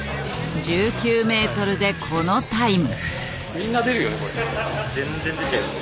１９ｍでこのタイム。